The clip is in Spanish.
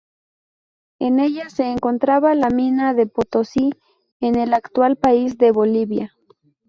En ella se encontraba la mina de Potosí, en el actual país de Bolivia.